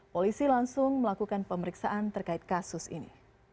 polisi langsung melakukan pemeriksaan terkait kasus ini